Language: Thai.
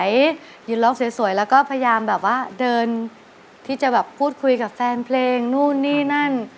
ยืนร้องสวยแล้วก็พยายามแบบว่าเดินที่จะแบบพูดคุยกับแฟนเพลงนู่นนี่นั่น